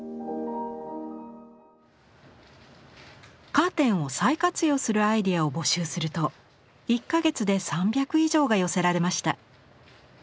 カーテンを再活用するアイデアを募集すると１か月で３００以上が寄せられました。